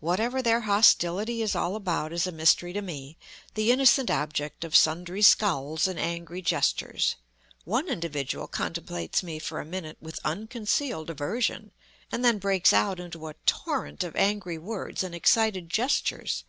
Whatever their hostility is all about is a mystery to me, the innocent object of sundry scowls and angry gestures. One individual contemplates me for a minute with unconcealed aversion, and then breaks out into a torrent of angry words and excited gestures.